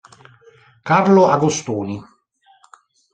Carlo Agostoni